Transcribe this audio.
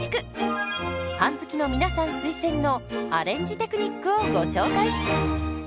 パン好きの皆さん推薦のアレンジテクニックをご紹介。